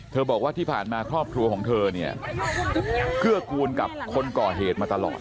บอกว่าที่ผ่านมาครอบครัวของเธอเนี่ยเกื้อกูลกับคนก่อเหตุมาตลอด